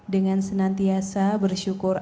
dengan senantiasa bersyukur